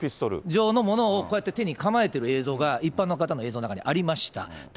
状のものを手に構えてる映像が、一般の方の映像の中にありました。